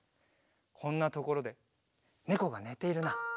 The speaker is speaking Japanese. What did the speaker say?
こんなところでねこがねているな。